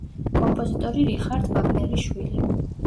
კომპოზიტორი რიხარდ ვაგნერის შვილი.